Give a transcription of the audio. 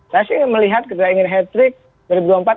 saya sih melihat ketika ingin hat trick